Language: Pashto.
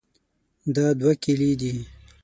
دا دوه کیلې دي.